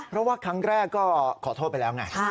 เพราะว่าครั้งแรกก็ขอโทษไปแล้วไง